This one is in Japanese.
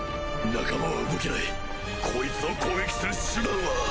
仲間は動けないこいつを攻撃する手段は